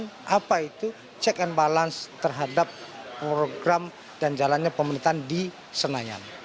dan apa itu check and balance terhadap program dan jalannya pemerintahan di senayan